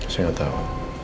saya gak tau